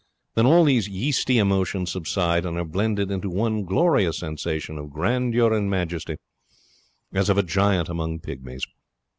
Then all these yeasty emotions subside and are blended into one glorious sensation of grandeur and majesty, as of a giant among pygmies.